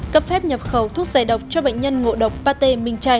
cấp phép nhập khẩu thuốc giải độc cho bệnh nhân ngộ độc pate minh chay